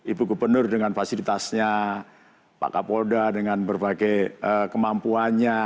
ibu gubernur dengan fasilitasnya kak polda dengan berbagai kemampuannya